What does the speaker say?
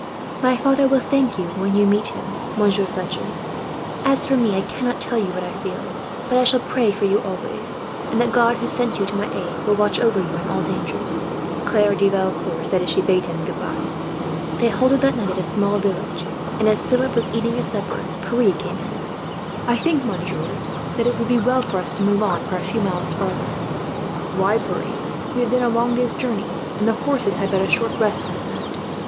"My father will thank you, when you meet him, Monsieur Fletcher. As for me, I cannot tell you what I feel, but I shall pray for you always; and that God, who sent you to my aid, will watch over you in all dangers," Claire de Valecourt had said, as she bade him goodbye. They halted that night at a small village and, as Philip was eating his supper, Pierre came in. "I think, monsieur, that it would be well for us to move on for a few miles farther." "Why, Pierre? We have done a long day's journey, and the horses had but a short rest last night."